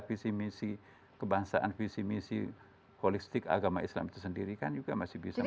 visi misi kebangsaan visi misi holistik agama islam itu sendiri kan juga masih bisa